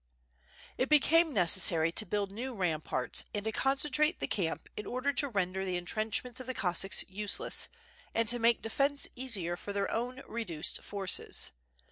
It became necessary to build new ramparts and to concen trate the camp in order to render the entrenchments of the Cossacks useless, and to make defence easier for their own reduced forces.